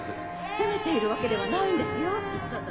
責めているわけではないんですよただ。